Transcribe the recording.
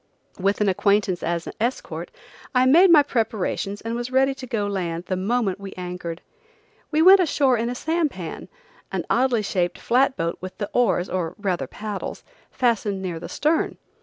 With an acquaintance as escort, I made my preparations and was ready to go to land the moment we anchored. We went ashore in a Sampan, an oddly shaped flat boat with the oars, or rather paddles, fastened near the stern.